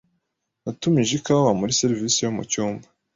Natumije ikawa muri serivisi yo mucyumba.